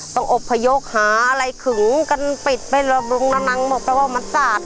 ต้องอบพยพหาอะไรขึงกันปิดไประบงระนังหมดแปลว่ามันสาด